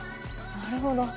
なるほど。